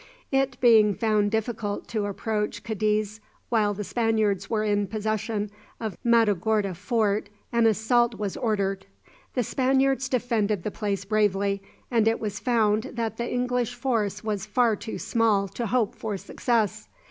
It being found difficult to approach Cadiz while the Spaniards were in possession of Matagorda Fort, an assault was ordered. The Spaniards defended the place bravely, and it was found that the English force was far too small to hope for success.